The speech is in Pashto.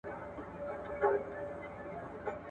د شاه محمود او رېدي لیدنه په نارنج ماڼۍ کې وشوه.